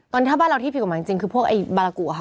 ตอนนี้ถ้าบ้านเราที่ผิดกฎหมายจริงคือพวกไอ้บารากุค่ะ